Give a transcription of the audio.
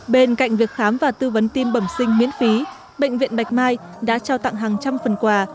bên cạnh việc khám và tư vấn tim bẩm sinh miễn phí bệnh viện bạch mai đã trao tặng hàng trăm phần quà